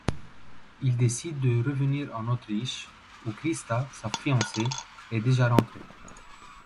Il décide de revenir en Autriche, où Christa, sa fiancée, est déjà rentrée.